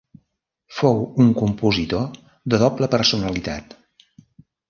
Fou un compositor de doble personalitat.